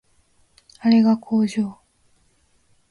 あれが工場